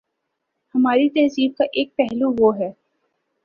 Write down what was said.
ہماری تہذیب کا ایک پہلو وہ ہے۔